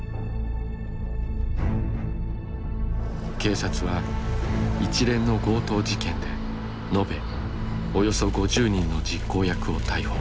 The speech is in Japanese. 警察は一連の強盗事件で延べおよそ５０人の実行役を逮捕。